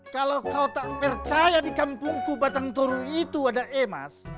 kalau kau tak percaya di kampungku batang toru itu ada emas